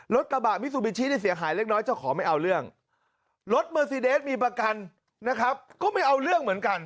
กระบะมิซูบิชินี่เสียหายเล็กน้อยเจ้าของไม่เอาเรื่องรถเมอร์ซีเดสมีประกันนะครับก็ไม่เอาเรื่องเหมือนกัน